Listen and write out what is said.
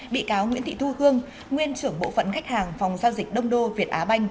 bị cáo nguyễn thị thu hương nguyên trưởng bộ phận khách hàng phòng giao dịch đông đô việt á banh